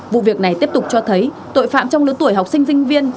vụ việc này tiếp tục cho thấy tội phạm trong lứa tuổi học sinh sinh viên